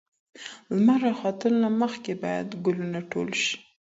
لمر راختلو نه مخکې باید ګلونه ټول شي.